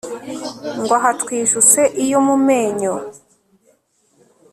Ngo aha twijuse iyo mu menyo